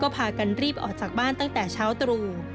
พากันรีบออกจากบ้านตั้งแต่เช้าตรู่